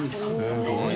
すごい。